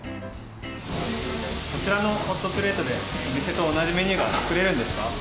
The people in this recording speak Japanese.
こちらのホットプレートで、お店と同じメニューが作れるんですか？